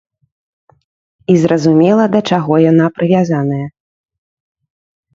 І зразумела да чаго яна прывязаная.